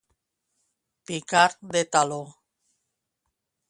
Picar de taló.